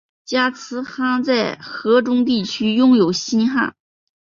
加兹罕在河中地区拥立新汗。